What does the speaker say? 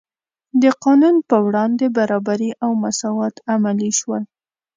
د قانون په وړاندې برابري او مساوات عملي شول.